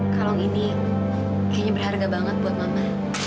kalau ini kayaknya berharga banget buat mama